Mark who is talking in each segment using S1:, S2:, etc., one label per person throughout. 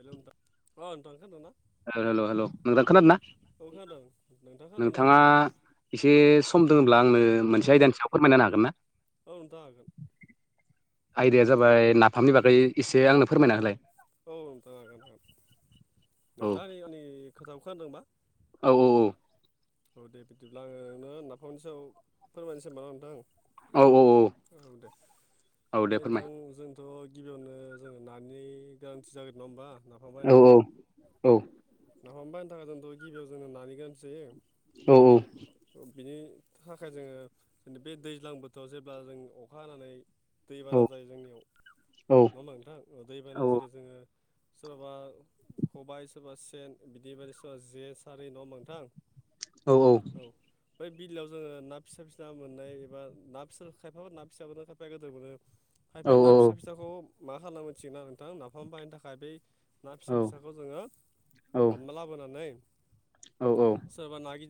S1: हेल' नोंथां अ खोनादोंना?
S2: हेल- हेल' नोंथां खोनादों ना
S1: औ खोनादों नोंथां खोनादोंना
S2: नोंथाङा एसे आं
S1: औ
S2: मोनसे आयदानि
S1: नोंथां
S2: स फोरमायनो हागोन ना?
S1: औ नोंथां हागोन
S2: आयदाया जाबाय नाफामनि बागै एसे आंनो फोरमायनाोलाय।
S1: औ नोंथां हागोन हागोन
S2: औ
S1: नोंथाङा आंनि खोथाखौ खोनदोंबा?
S2: औ-औ-औ।
S1: औ दे बिदिब्ला आङ नोंनो नाफामनि सायाव फोरमायनोसै ना नोंथां। औ
S2: औ औ
S1: दे
S2: औ दे
S1: ओमफ्राय
S2: फोरमाय
S1: दां जों थ' गिबियावनो जोङो नानि गोनांथि जागोन नङा होमबा नाफाम बायनो
S2: औ
S1: थाखाय औ नाफाम बायनो थाखाय जोंथ' गिबियाव जोंनो नानि गानसैायो
S2: औ-औ
S1: बिनि थाखाय जोङो जेन बे दैज्लां बोथोराव जेब्ला जों अखा हानानै
S2: औ
S1: दैबाना जायो जोंनियाव
S2: औ
S1: नङाोमा नोंथां दैबाना
S2: औ
S1: जेरै जोङो सोरबा खबायाइ सोरबा सेन बिदि बायदि सोरबा जे सारि न' मोनथां?
S2: औ-औ
S1: बेमफ्राय बिललिआव जोङो ना फिसा फिसा मोननाय एबा ना फिसा खायफाबो ना फिसा मोनो खायफाया गेदेर मोनो।
S2: औ
S1: खायफाया ना
S2: औ
S1: फिसा
S2: औ
S1: फिसाखौ मा खालामना मोनथिगोन आरो नोंथां नाफाम बाहायनो थाखाय बै ना फिसा
S2: औ
S1: फिसाखौ जोङो हमना लाबोनानै
S2: औ-औ।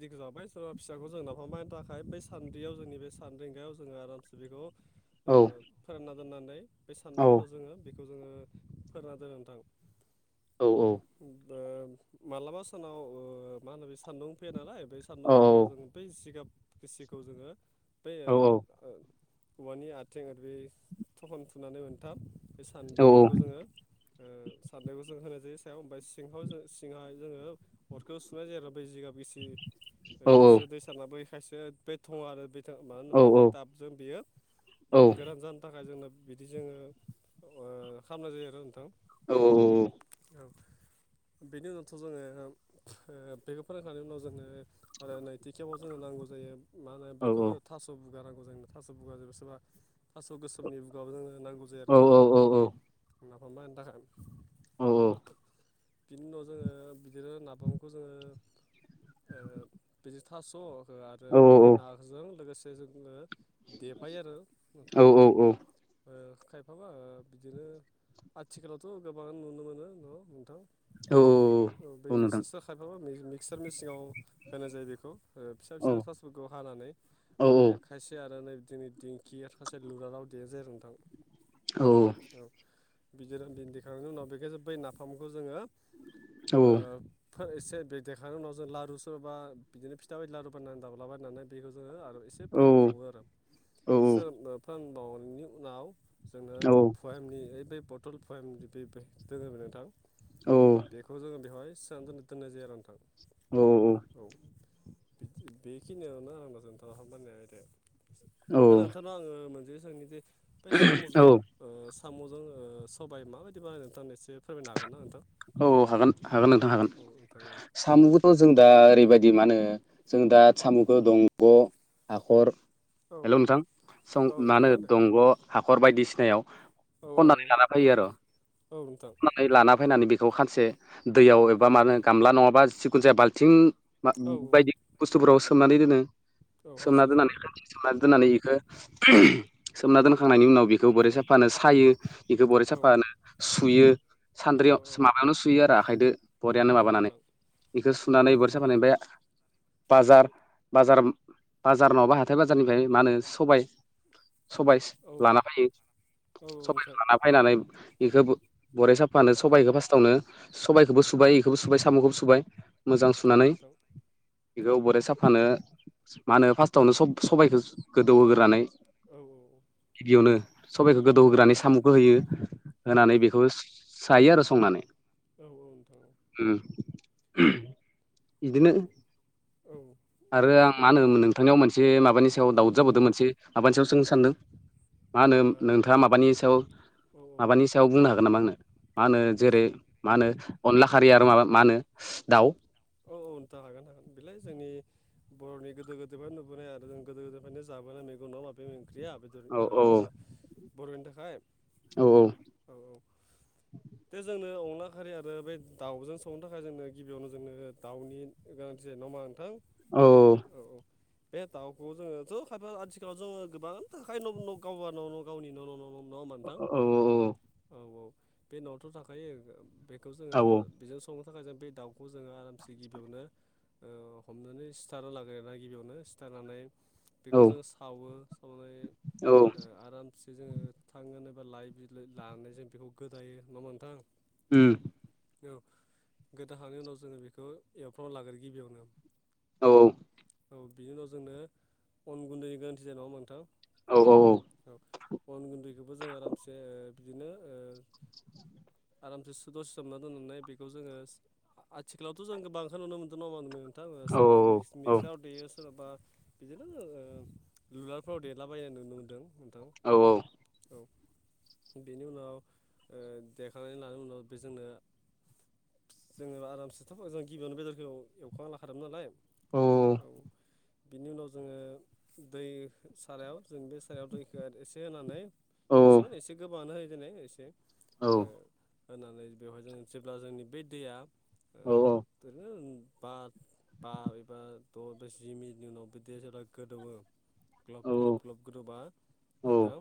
S1: बि गो जाबाय सोरबा फिसाखौ जों नाफामनायनि थाखाय बै सान्द्रियाव जोंनि बे सान्द्रिगायाव जोङो आरामसे बेखौ ओ फोरानना दोननानै बे सान्दुं जोङो बि खौ जोङो फोरना दोनो नोंथां।
S2: औ-औ।
S1: ओ मालाबा सानाव मा होनो बे सान्दुं फैया नालाय बै सान्दुं फैयोबा जों बै जिगाब गिसिखौ जोङो बै ओ औवानि आथिं आरो बे थखन थुनानै मोनथाम बे सान्द्रिखौ जोङो ओ सारनायखौ जों होनाय जायो सायाव ओफ्राय सिाव सिंहा जोङो अरखौ सुनाय जायो आरो जिगाब बे एसे दै साननाबोखायसो बे थङ आरो बे मानो होनबा बे टाबजों बियो गोरान जानो थाखाय जोंनो बिदि जोङो खालामनाय जायो आरो नोंथा।
S2: औ-औ-औ।
S1: औ बेनि उनावथ' जोङो बेखौ फोरोंखांनायनि उनाव जोनो आरो नैथि खेबाव जोङो नांगौ जायो मा होनो बेखौ थास' बुारनांगौ मोजांनो थास' बुगा जेबो सोरबा थास' गोसोमनि बुगाबबो जोंनो नांगौ जायो आरो नोंथां। नाफाम बानायनो थाखाय
S2: औ-औ।
S1: बिनि उनाव जोङो बिदिनो नाफामखौ जोङो जिथास' हो आरो बै नाजों लोगोसे जोङो देफायो आरो नोंथां ओ खायफाबा बिदिनो आथिखालावथ' गोबां नुनो मोनो न' मोनथां। औ बे
S2: औ नोंथां
S1: मिक्चारसो खायफाबा मिक्सार मेसिंङाव होनाय जायो बेखौ। ओ फिसा
S2: औ
S1: फिसा थास'खौ हानानै
S2: औ
S1: ओमफ्राय खायसे आरो नै जोंनि दिंखिया सासे लुरालाव [unintelligible] आरो नोंथां।
S2: औ।
S1: बिदिर दिन दि दैखांनायनि उनाव बेखायसो बै नाफामखौ जोङो
S2: औ औ।
S1: एसे बे देखांनायनि उनाव जों लारु सोरबा बिदिनो फिथा बायदि लारु बाननानै दाब्लाबायनानै बेखौ जोङो आरो एसे
S2: औ
S1: फोरोंबावो आरो,
S2: औ
S1: सोर फोरोंबावनायनि उनाव जोंङो पुवेमनि ओइ बे बथल पुवमदि बे बे दोङो नोंथां बेखौ जोङो बेवहाय सोनानै दोननो दोननाय जायो आरो नोंथां।
S2: औ औ औ।
S1: औ बेदि बेखिनियावनो [unintelligible] दा नोंथांनाव आंङो मोनसे सोंनोसै बे
S2: औ
S1: साम'जों ओ साम'जों ओ सबाय माबायदि बानायो नोंथां एसे फोरमायनो हागोन ना नोंथां?
S2: हागोन हागोन नोंथां हागोन
S1: नोंथां
S2: सामथ' जों दा ओरैबायदि दि मा होनो जों दा साम'खौ दंग', हाखर
S1: औ
S2: हेल' नोंथां सं नानो
S1: नोंथां
S2: दंग' हाखर बायदिसिनायाव
S1: औ
S2: खननानै लाना फैयो आरो
S1: औ नोंथां
S2: खनानै लाना फैनानै बे- बेखौ खानसे दैयाव एबा मा होनो गामला नङाबा सिखुन जाया बाल्थिं मा
S1: खोनादों औ नोंथां औ
S2: बायदि बुस्थुफोराव सोमनानै दोनो।
S1: औ
S2: सोमना
S1: हरसे
S2: दोननानै
S1: सिगां
S2: खानसे सोमना
S1: औ
S2: दोननानै इखो सोमना दोनखांनायनि उनाव बेखौ बरिया साफानो सायो, बेखौ बरिया
S1: औ
S2: साफानो सुयो।
S1: औ औ।
S2: मानो सुयो आरो आखाइदो बरियानो
S1: औ
S2: माबानानै,
S1: नोंथां
S2: बेखौ सुनानै बरिया साफानो ओमफाय बाजार बाजार बाजार नङाबा हाथाय बाजारनिफ्राय मा होनो सबाय सबायाइस
S1: औ नोंथां औ नोंथां औ नोंथां औ
S2: लाना फैयो सबाय लाना फैनानै बेखौ बरिया साफानो सबाइखौ फार्टावनो सबायखौबो सुबाय इखोबो सुबाय साम'खौबो सुबाय मोजां सुनानै बेखौ बोराइ साफानो मा होनो फार्स्टावनोब सब-सबायखौ गोदौहोग्रोनानै गिबियावनो सबाइखौ गोदौहोग्रानै साम'खौ होयो होनानै बेखौ जायो आरो संनानै।
S1: औ नोंथां
S2: उम्म बिदिनो
S1: औ।
S2: आरो आं
S1: बेनो
S2: मा
S1: आरोना
S2: होनोमोन
S1: नोंथां
S2: नोंथांनियाव मोनसे माबानि सायाव
S1: औ
S2: दाउट जाबोदों मोनसे माबानि सायाव सोंनो
S1: हो
S2: सानदों। मा होनो नोंथाङा माबानि सायाव
S1: औ औ
S2: माबानि सायाव बुंनो हागोन नामा आंनो? मा होनो जेरै मा होनो अनला खारि आरो माबा मा होनो दाउ?
S1: औ औ। खोन्था हागोन आं बेलाय जोंनि बर'नि गोदो गोदायनिफ्रायनो नुबोनाय आरो जों गोदो गोदायनिफ्रायनो जाबोनाय मेगं नङा' होमबा बे मेग ख्रिया बेदर
S2: औ
S1: मा
S2: औ
S1: होनो बर'नि थाखाय
S2: औ
S1: औ औ दे जोंनो अनला खारि आरो बे दाउजों संनो थाखाय जोंनो गिबियावनो जोंनो दाउनि गोनांथि जायो नङाहोमबा नोंथां?
S2: औ
S1: औ औ। बे दाउखौ जोङोथ' खायफा आथिखालाव जोङो गोबां थाखायो न' न' गावा न' न' गावनि न' न' न' न' नङा होमबा' नोंथां
S2: औ
S1: औ औ बे न'आवथ' थाखायो बे बेखौ
S2: औ
S1: जोङो बेजों संनो थाखाय जों बे दाउखौ जोङो से गिबियावनो ओ हमनानै सिथारना लाग्रो आरोना गिबियावनो सिथारनानै
S2: औ
S1: बेखौ जोङो सावो सावनानै
S2: औ
S1: ओ आरामसे जोङो थाङो बा लाइ बिलाइ लानानै जों बेखौ गोदायो नङा होमबा नोंथां।
S2: उम
S1: औ गोदाखांनायनि उनाव जोङो बेखौ एवफ्रावना लाग्रो गिबियावनो
S2: औ
S1: औ बिनि उनाव जोंनो अन गुन्दैनि गोरोन्थि जानाय नङा नोंथां?
S2: औ औ
S1: औ अन गुन्दैखौबो जों आरामसे बिदिनो ओ
S2: [unintelligible]
S1: आरामसे सो दसे सोमना दोननानैनाय बेखौ जोङो आथिखालावथ' जों गो बांखौ नुनो मोन्दों नङा नो [inaudible] खोथाबो
S2: औ
S1: सोराबा
S2: औ
S1: मिक्साराव दैयो सोराबा बिदिनो ओ लुलारफ्राव देरलाबायनाय नुनो मोन्दों।
S2: औ औ
S1: बेनि उनाव ओ! देखनानै लानाय उनाव बेजोंनो जोङो आरामसे दाथ' जों गिबियावनो बेदरखौ एव एवखाना लाखादोंमोन नालाय औ बिनि उनाव जोङो दै सारायाव जों बे सारायाव दैखौ एसे होनानै एसे माने एसे गोबाङानो होयो जेनै एसे
S2: औ
S1: ओ होनानै बेवहाय जों जेब्ला जोंनि बे दैया ओरैनो बा बा एबा द' एबा जि मिनिटनि उनाव बि दैया जेब्ला गोदौवो ग्लब ग्लब ग्लब गोदौबा नोंथां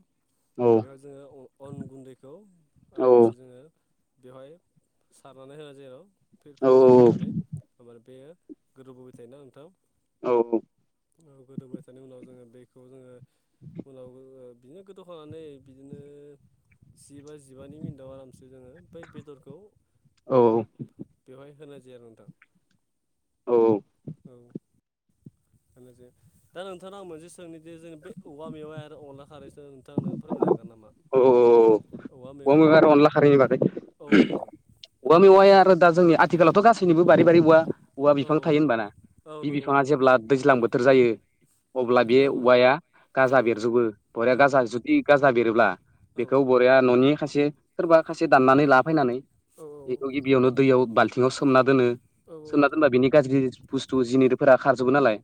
S1: बेहाय जोङो अन गुन्दैखौ आरामसे जोङो बेवहाय सारनानै होयो जेराव फ्रि फ्रि
S2: औ
S1: फ्रि सारनानै ओमफ्राय बेयो गोदौबोबाय थायोना नोंथां औ गोदौबाय थानाय उनाव जोङो बेखौ जोङो उनाव जों बिदिनो गोदौहोनानै बिदिनो जिबा जिबा मिनिटआव आराम जोङो बै बेदरखौ
S2: औ
S1: बेवहाय होनाय जाया नोंथां।
S2: औ औ
S1: होननोसै दा नोंथांनाव आं मोनसे सोंनिदि जों बे औवा मेवाइ आरो अनला खारैखौ नोंथां आंनो फोरमायनो हागोन नामा?
S2: औ औवा मेवाय आरो अनला खारैनि बागै
S1: औ नोंथां
S2: औवा मेवाया आरो दा जोंनिया आथिखालावथ' गासैनिबो बारि बारि औवा औवा
S1: औ
S2: बिफां थायो होनबा ना
S1: औ
S2: बे
S1: नंगौ
S2: बिफाङा
S1: नोंथां
S2: जेब्ला दैज्लां बोथोर जायो अब्ला
S1: औ
S2: बे औवाया
S1: औ
S2: गाजा बेरजोबो बरिया
S1: औ
S2: गाजा जुदि गाजा बेरोब्ला बेखौ
S1: नोंथां
S2: बरिया न'नि खायसे सोरबा खासे दाननानै लाना फैनानै
S1: औ
S2: बेखौ गिबियावनो दैयाव बाल्थिंआव सोमना दोनो
S1: औ
S2: सोमना
S1: नोंथां
S2: दोनबा बिनि गाज्रि बुस्थु जिनिरफोरा खारजोबो नालाय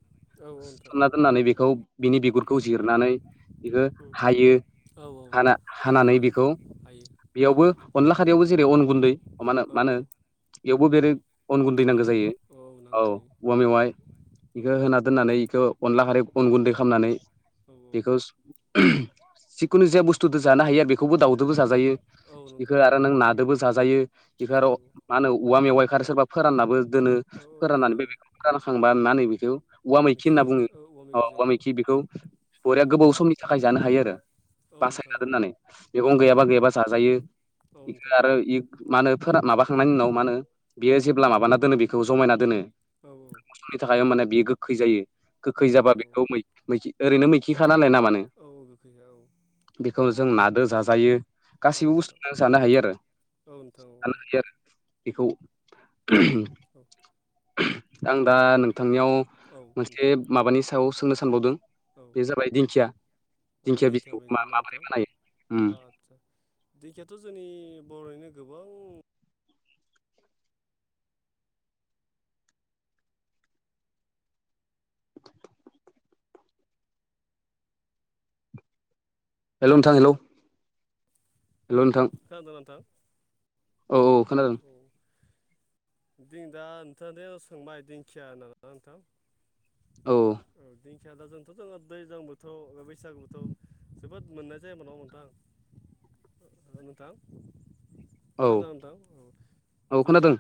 S1: औ नोंथां
S2: सोमना दोननानै बेखौ बिनि बिगुरखौ जिरनानै बेखौ हायो
S1: औ औ
S2: हाना हानानै
S1: हालाय
S2: बेखौ
S1: हायो
S2: बेयावबो अनला खारियावबो जेरै अन गुन्दै मा होनो
S1: औ
S2: मा
S1: औ
S2: होनो बेयावबो बेरै अन गुन्दै नांगौ
S1: बिदिनो
S2: जायो औ
S1: नांगौ जायो
S2: औवा मेवाय
S1: औ
S2: बेखौ होना दोननानै बेखौ अनला खारै अन गुन्दै खालामनानै
S1: औ
S2: बेखौ जिखुनु जाया बुस्थुजों जानो हायो आरो बेखौबो दाव जोंबो जाजायो
S1: औ औ
S2: बेखौ
S1: नोंथां औ
S2: आरो नों नादोबो जाजायो
S1: औ
S2: बेखौ आरो मा होनो औवा मेवाइखौ आरो सोरबा फोराननाबो दोनो
S1: औ औ
S2: फोराननानै
S1: दोनो
S2: बे
S1: औ
S2: बेखौ रानखांबा मा होनो बेखौ औवा मैखि
S1: मेखि
S2: होनना
S1: जायो
S2: बुङो औ
S1: मेखि
S2: औवा
S1: जायो
S2: मैखि बेखौ बरिया
S1: औ
S2: गोबाव समनि थाखाय जानो हायो आरो
S1: औ नोंथां
S2: बासायना
S1: औ
S2: दोननानै मैगं
S1: औ औ
S2: गैयाबा गैयाबा जाजायो
S1: औ नोंथां
S2: बेखौ आरो मा मा होनो फोरा माबाखांनायनि उनाव मा होनो बियो जेब्ला माबाना दोनो बेखौ जमायना दोनो
S1: औ
S2: स्नि साननि थाखाय होमबाना बेयो गोगखै जायो
S1: औ
S2: गोगखै जाबा
S1: नोंथां
S2: बेखौै मै-मैखि ओरैनो मैखिखा नालाय नामानो
S1: औ गोखैया औ
S2: बेखौ जों नादो जाजायो
S1: औ
S2: गासैबो
S1: नोंथां
S2: बुस्थुजोंनो जानो हायो आरो
S1: औ नोंथां औ
S2: संनो हायो आरो बेखौ
S1: औ
S2: आं दा नों नोंथांनियाव
S1: औ औ नोंथां
S2: मोनसे माबानि सायाव सोंनो सानबावदों
S1: औ
S2: बे जाबाय दिंखिया
S1: औ
S2: दिंखिया बिजौखौ
S1: मैगं ना
S2: मा-माबोरै
S1: नोंथां
S2: बानायो उम
S1: आदसा दिंखिया'याथ जोंनि बर'निनो गोबां
S2: [inaudible] हेलौ नोंथां हेलौ
S1: खोनादों नोंथां?
S2: औ औ खोनादों
S1: जिं दा नोंथांदे सोंबाय दिंखिया होनना ना नोंथां
S2: औ
S1: ओ दिंख खिया दा जोंथ' जों दैज्लां बोथोर बैसागु बोथोर जोबोद मोननाय जाया नङाहोमबा नोथां ओ नोथां
S2: औ
S1: खोनादोना नोथां
S2: औ
S1: दिंखिया
S2: खोनादों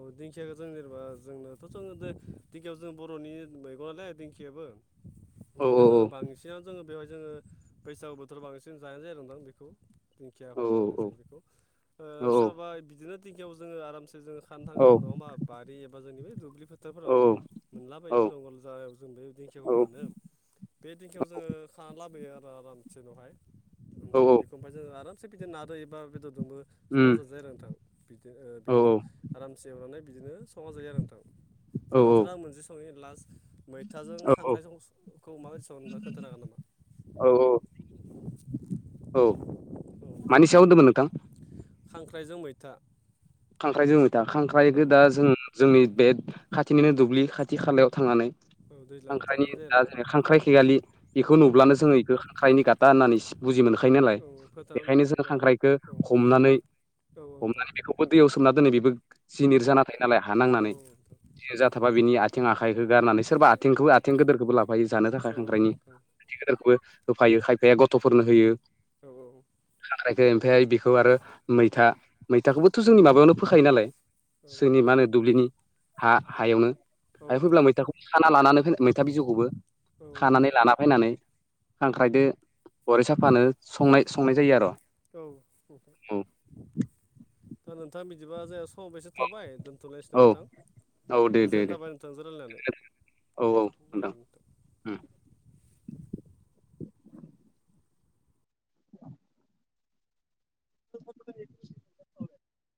S1: औ दिं खियाखौ जों जेनेबा जोंनाथ' जोङो दिंखियाव जों बर'नि मैगङलाय दिंखियाबो
S2: औ
S1: बेखौ जोङो बांसिनानो जोङो बेवहाय जोङो बैसागु बोथोर बांसिन जानाय जायोदां बेखौ दिंखिया
S2: औ
S1: भाजा होनानोसै बेखौ
S2: औ
S1: सोरबा बिदिनो दिंखियाव जोङो आरामसे [unintelligible] फोथारफोराव
S2: औ
S1: मोनलाबायो
S2: औ
S1: जंगल जागायाव जों बे
S2: औ
S1: दिंखियाखौ मोनो बे दिंखियाव जोङो खानाला बोयो आरो आरामसेनावहाय नोंथां
S2: औ
S1: बेखौ ओमफ्राय जों आरामसे बिदिनो नादों एबा बेदर दोंबो संना
S2: उम
S1: जाजायो आरो नोंथां बिदि ओ
S2: औ
S1: बिखो जो ओ आरामसे एवनानै बिदिनो संना जायो आरो नोंथां दा
S2: औ
S1: नोंथारा आं मोनसे सोङो लास्ट मैथाजों
S2: औ
S1: खांख्राइजोंखौ माबायदि सङो खोन्थानो हागोन नामा?
S2: औ औ
S1: औ
S2: मानि सायाव होनदोंमोन नोंथां?
S1: खांख्राइजों मैथा
S2: खांख्राइजों मैथा
S1: औ
S2: खांख्राइखौ दा जों जोंनि बे खाथिनिनो दुब्लि खाथि खालायाव थांनानै
S1: औ दैज्लां बोथोराव
S2: खांख्राइनि
S1: मोननाय
S2: दा जों
S1: जायो
S2: खांख्राइ खिगालि बेखौ
S1: आरोना औ
S2: नुब्लानो जोङो बेखौ खांख्राइनि गाथा होननानै बुजि मोनखायो नालाय
S1: औ फोथाराव नङा
S2: बेखायनो जों
S1: एबा
S2: खांख्राइखौ
S1: औ
S2: हमनानै
S1: औ नोंथां
S2: हमनानै बेखौबो दै सोमना दोनै बेबो
S1: औ
S2: जिनिर जाना थायो नालाय हा
S1: औ
S2: नांनानै जिनिजाथाबा बिनि आथिं आख आखायखौ गारनानै सोरबा
S1: नोंथां
S2: आथिंखौबो
S1: औ
S2: आथिं गिदोरखौबो लाफायो जानो थाखाय खांख्राइनि आथि गदिरखौबो होफायो खाय फाया गथ'फोरनो होयो
S1: औ नोंथां औ
S2: ओमफ्राय बेखौ आरो मैथा मैथाखौबोथ' जोंनि माबायावनो फोखायो नालाय
S1: औ
S2: जोंनि मा
S1: नोंथां औ नोंथां
S2: होनो दुब्लिनि हा हायावनो आरो फैब्ला मैथाखौ खाना लानानै फै मैथा बिजौखौबो
S1: औ
S2: खानानै लाना फैनानै खांख्रायदो गरि सा फानो संनाय संनाय जायो आरो
S1: औ
S2: औ
S1: दा नोंथाङा बिदिबा जायास हरबो एसे थौबाय दोनथनिसै नामा नोंथां
S2: औ औ दे दे
S1: गोजोननाय
S2: दे
S1: थाबाय नोंथांजों रायलायनानै औ नोंथां
S2: [inaudible] [inaudible]